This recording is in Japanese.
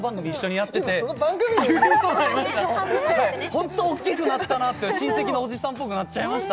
ホント大きくなったなって親戚のおじさんっぽくなっちゃいました